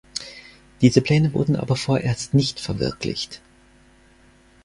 Diese Pläne wurden aber vorerst nicht verwirklicht.